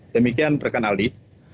demikian rekan aldi